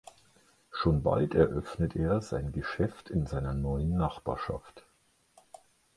Schon bald eröffnet er sein Geschäft in seiner neuen Nachbarschaft.